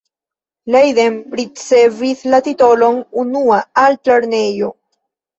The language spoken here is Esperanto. Leiden ricevis la titolon 'unua' altlernejo.